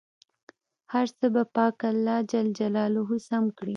هر څه به پاک الله جل جلاله سم کړي.